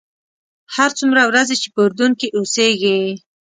هر څومره ورځې چې په اردن کې اوسېږې.